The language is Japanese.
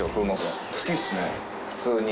普通に。